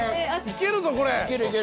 いけるぞこれ。